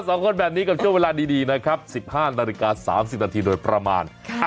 สองคนแบบนี้กับช่วงเวลาดีนะครับ๑๕นาฬิกา๓๐นาทีโดยประมาณ